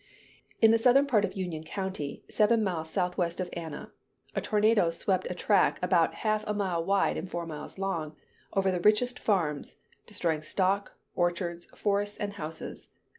In the southern part of Union county, seven miles southwest of Anna, a tornado swept a track about half a mile wide and four miles long, over the richest farms, destroying stock, orchards, forests and houses.